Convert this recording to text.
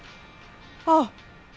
あっ！